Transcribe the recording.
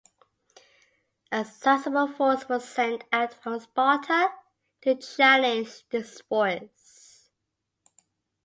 A sizable force was sent out from Sparta to challenge this force.